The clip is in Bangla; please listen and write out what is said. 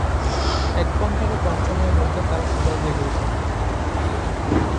এক ঘন্টারও কম সময়ের মধ্যে তারা সবাই জেগে ওঠে।